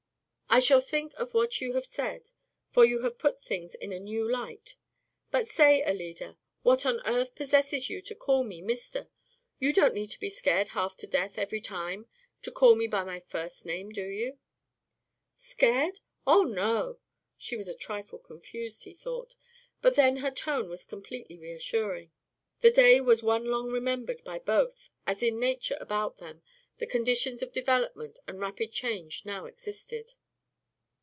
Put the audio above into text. I shall think of what you have said, for you have put things in a new light. But say, Alida, what on earth possesses you to call me 'Mr.'? You don't need to be scared half to death every time to call me by my first name, do you?" "Scared? Oh, no!" She was a trifle confused, he thought, but then her tone was completely reassuring. The day was one long remembered by both. As in nature about them, the conditions of development and rapid change now existed.